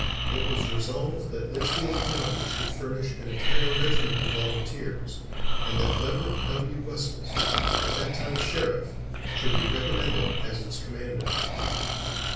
It was resolved that Litchfield County should furnish an entire regiment of volunteers, and that Leverett W. Wessells, at that time Sheriff, should be recommended as its commander.